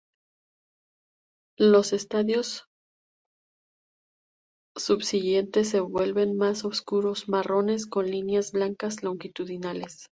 Los estadios subsiguientes se vuelven más oscuros, marrones con líneas blancas longitudinales.